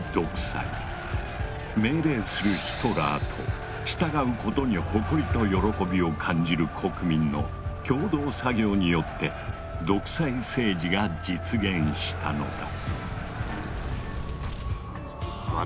命令するヒトラーと従うことに誇りと喜びを感じる国民の共同作業によって独裁政治が実現したのだ。